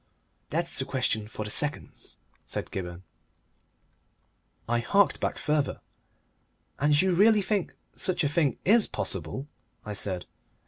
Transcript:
"That's a question for the seconds," said Gibberne. I harked back further. "And you really think such a thing IS possible?" I said.